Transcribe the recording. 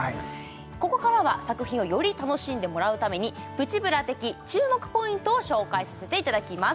ここからは作品をより楽しんでもらうためにプチブラ的注目ポイントを紹介させていただきます